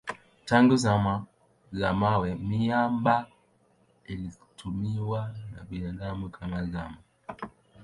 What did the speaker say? Tangu zama za mawe miamba ilitumiwa na binadamu kama zana.